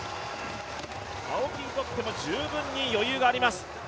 青木にとっても十分に余裕があります。